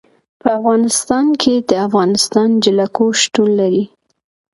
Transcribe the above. په افغانستان کې د افغانستان جلکو شتون لري.